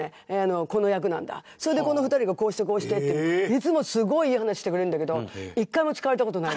「それでこの２人がこうしてこうして」っていつもすごいいい話してくれるんだけど。